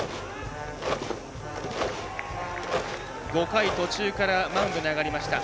５回途中からマウンドに上がりました。